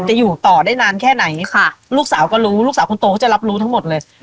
อยู่ต่อได้นานแค่ไหนค่ะลูกสาวก็รู้ลูกสาวคนโตก็จะรับรู้ทั้งหมดเลย